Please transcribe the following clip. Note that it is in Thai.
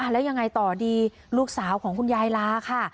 แล้วยังไงต่อดีลูกสาวของคุณยายลาค่ะ